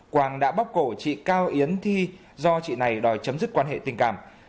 quang đã bóc cổ chị cao yến thi do chị này đòi chấm dứt quan hệ tình cảm